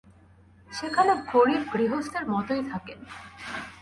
সেখানে গরিব গৃহস্থের মতোই থাকেন।